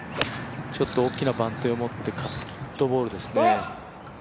ちょっと大きな番手を持ってカットボールですね。